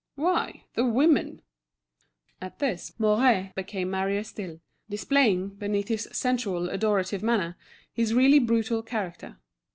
"Why, the women." At this, Mouret became merrier still, displaying, beneath his sensual, adorative manner, his really brutal character.